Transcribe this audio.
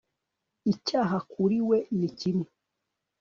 Icyaha kuri we ni kimwe